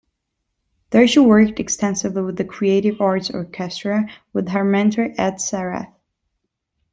There she worked extensively with the Creative Arts Orchestra, with her mentor Ed Sarath.